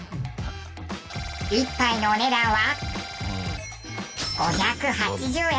１杯のお値段は５８０円。